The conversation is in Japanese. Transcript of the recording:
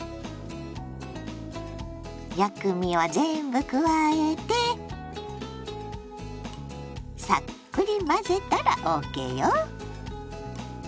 薬味を全部加えてさっくり混ぜたらＯＫよ！